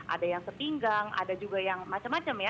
ada yang sepinggang ada juga yang macam macam ya